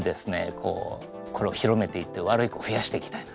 これを広めていって悪い子を増やしていきたいなと。